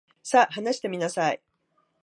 さ、話してみなさい。